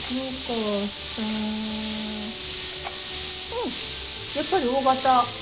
うんやっぱりＯ型。